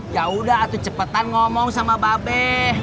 yaudah atu cepetan ngomong sama babeh